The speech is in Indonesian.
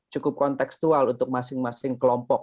cukup konteksual untuk masing masing kelompok